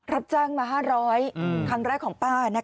รับจังมา๕๐๐ครั้งแรกของป้านะคะ